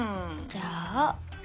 じゃあ？